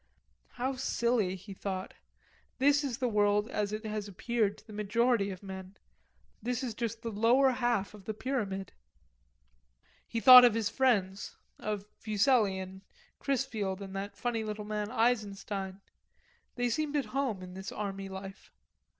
"How silly," he thought; "this is the world as it has appeared to the majority of men, this is just the lower half of the pyramid." He thought of his friends, of Fuselli and Chrisfield and that funny little man Eisenstein. They seemed at home in this army life.